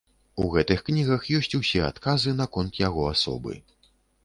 У гэтых кнігах ёсць усе адказы наконт яго асобы.